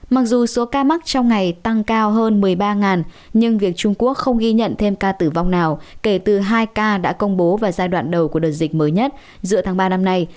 mặc dù số ca mắc trong ngày tăng cao hơn một mươi ba nhưng việc trung quốc không ghi nhận thêm ca tử vong nào kể từ hai ca đã công bố vào giai đoạn đầu của đợt dịch mới nhất giữa tháng ba năm nay